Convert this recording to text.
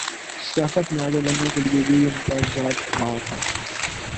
سیاست میں آگے بڑھنے کے لیے یہی ان کا زاد راہ تھا۔